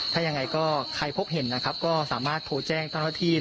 ถ้ายังไงก็ใครพบเห็นนะครับก็สามารถโทรแจ้งเจ้าหน้าที่